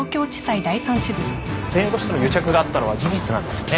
弁護士との癒着があったのは事実なんですよね？